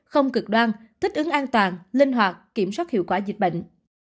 không cực đoan thích ứng an toàn linh hoạt kiểm soát hiệu quả dịch bệnh